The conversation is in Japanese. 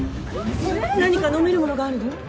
何か飲めるものがあるの？